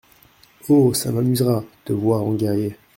Oh ! ça m’amusera… te voir en guerrier….